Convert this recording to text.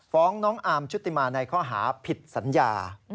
ฟ้องน้องอาร์มชุติมาในข้อหาผิดสัญญา